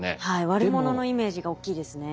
悪者のイメージが大きいですね。